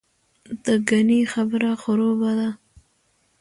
دګنې خبره خروبه وه.